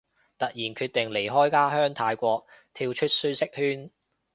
突然決定離開家鄉泰國，跳出舒適圈